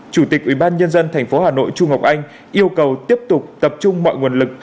chủ tịch ubnd tp hà nội trung ngọc anh yêu cầu tiếp tục tập trung mọi nguồn lực